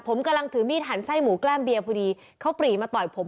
ผมกำลังถือมีดหันไส้หมูแก้มเบียพอดีเขาปรีมาต่อยผม